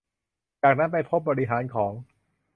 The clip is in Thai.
จากนั้นไปพบผู้บริหารของ